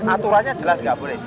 aturannya jelas tidak boleh